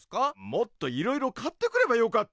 もっといろいろ買ってくればよかったの。